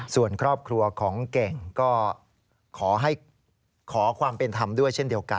ส่วนครอบครัวของเก่งก็ขอความเป็นธรรมด้วยเช่นเดียวกัน